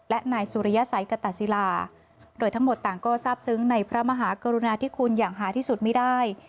และนายสุริยสัยกตศิลาโดยทั้งหมดต่างก็ทราบซึ้งในพระมหากรุณาธิคุณอย่างหาที่สุดไม่ได้